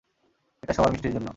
এটা সবার মিষ্টির জন্য।